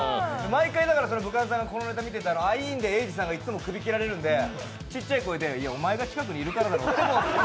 毎回、舞台裏でこのネタを見てたらアイーンでえいじさんがいつも首切られるんで、ちっちゃい声で、いやおまえが近くにいるからだろって。